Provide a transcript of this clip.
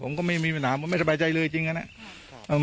ผมก็ไม่มีปัญหาผมไม่สบายใจเลยจริงนะครับ